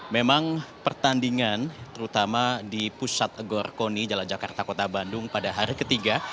memang pertandingan terutama di pusat gorkoni jalan jakarta kota bandung pada hari ketiga